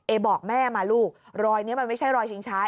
บอกแม่มาลูกรอยนี้มันไม่ใช่รอยชิงช้า